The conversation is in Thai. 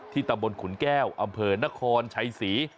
ตำบลขุนแก้วอำเภอนครชัยศรี